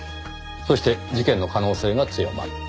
そして事件の可能性が強まった。